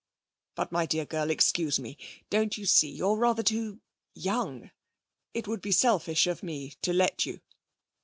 'But, my dear girl, excuse me, don't you see you're rather too young. It would be selfish of me to let you.'